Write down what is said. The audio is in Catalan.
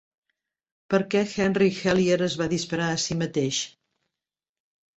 Per què Henry Hellyer es va disparar a sí mateix.